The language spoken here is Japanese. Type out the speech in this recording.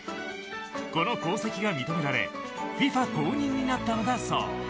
この功績が認められＦＩＦＡに公認になったのだそう。